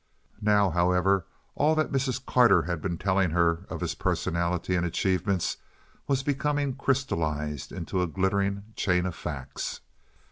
Now, however, all that Mrs. Carter had been telling her of his personality and achievements was becoming crystallized into a glittering chain of facts.